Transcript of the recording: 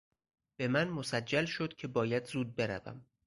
به من مسجل شد که باید زود بروم.